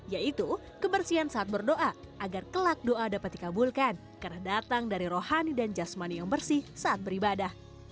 yaitu kebersihan saat berdoa agar kelak doa dapat dikabulkan karena datang dari rohani dan jasmani yang bersih saat beribadah